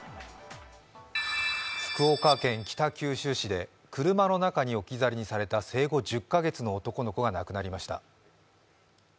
福岡県北九州市で車の中に置き去りにされた生後１０か月の男の子が亡くなりました。